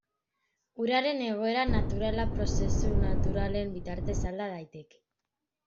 Uraren egoera naturala prozesu naturalen bitartez alda daiteke.